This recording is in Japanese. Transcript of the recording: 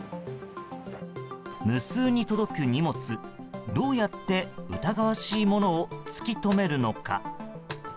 無数に届く荷物どうやって疑わしいものを突き止めるのか。